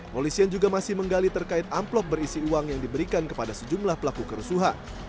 polisian juga masih menggali terkait amplop berisi uang yang diberikan kepada sejumlah pelaku kerusuhan